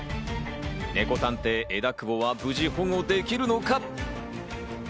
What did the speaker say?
ネコ探偵・枝久保は無事保護できるのか？